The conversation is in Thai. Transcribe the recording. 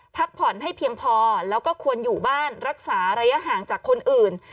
พักผ่อนให้เพียงพอแล้วก็ควรอยู่บ้านรักษาระยะห่างจากคนอื่น